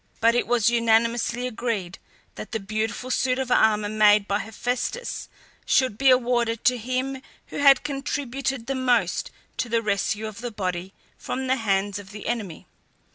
But it was unanimously agreed that the beautiful suit of armour made by Hephaestus should be awarded to him who had contributed the most to the rescue of the body from the hands of the enemy.